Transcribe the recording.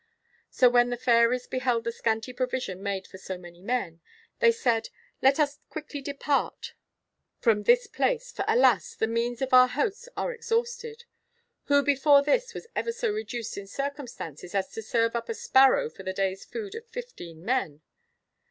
So when the fairies beheld the scanty provision made for so many men, they said "Let us quickly depart from this place, for alas! the means of our hosts are exhausted. Who before this was ever so reduced in circumstances as to serve up a sparrow for the day's food of fifteen men?"